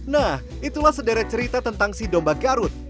nah itulah sederet cerita tentang si domba garut